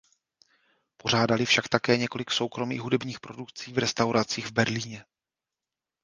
Pořádali však také několik soukromých hudebních produkcí v restauracích v Berlíně.